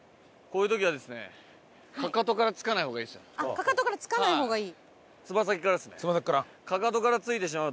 かかとからつかない方がいい？